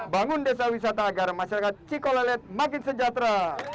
bangun desa wisata agar masyarakat cikolelet makin sejahtera